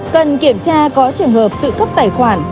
cần kiểm tra có trường hợp tự cấp tài khoản